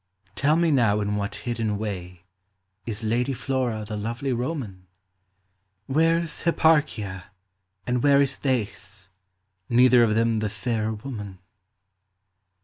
Tell me now in what hidden way is Lady Flora the lovely Roman ? Where 's Hipparchia, and where is Thais, Neither of them the fairer woman